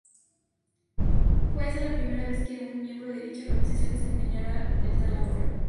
Fue esta la primera vez que un miembro de dicha organización desempeñara tal labor.